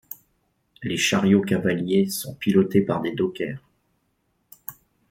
Les chariots cavaliers sont pilotés par des dockers.